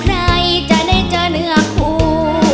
ใครจะได้เจอเนื้อคู่